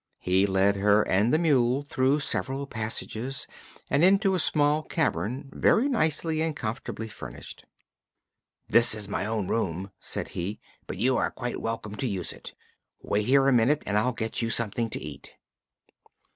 He led her and the mule through several passages and into a small cavern very nicely and comfortably furnished. "This is my own room," said he, "but you are quite welcome to use it. Wait here a minute and I'll get you something to eat."